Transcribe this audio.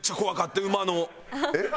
えっ？